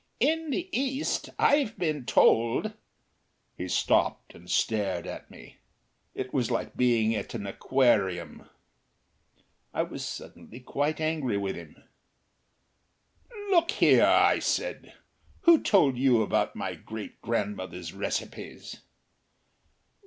In the East, I've been told " He stopped and stared at me. It was like being at an aquarium. I was quite suddenly angry with him. "Look here," I said, "who told you about my great grandmother's recipes?"